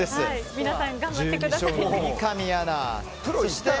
皆さん、頑張ってくださいね。